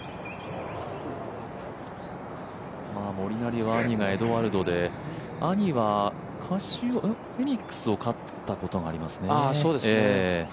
モリナリは兄がエドワルドで兄はフェニックスを勝ったことがありますね。